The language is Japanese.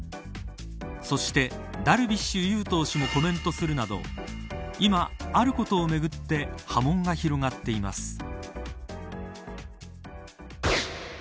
そしてダルビッシュ有投手もコメントするなど今あることをめぐって波紋が広がっています。